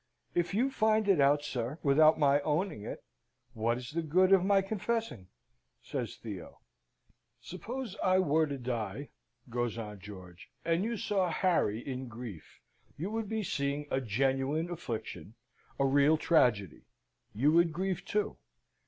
"If you find it out, sir, without my owning it, what is the good of my confessing?" says Theo. "Suppose I were to die?" goes on George, "and you saw Harry in grief, you would be seeing a genuine affliction, a real tragedy; you would grieve too.